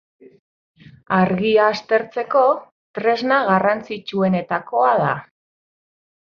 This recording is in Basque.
Argia aztertzeko tresna garrantzitsuenetakoa da.